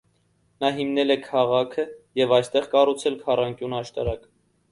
Նա հիմնել է քաղաքը և այստեղ կառուցել քառանկյուն աշտարակ։